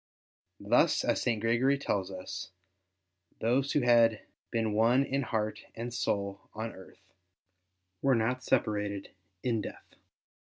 Thus, as St. Gregory tells us, those who had been one in heart and soul on earth were not separated in death.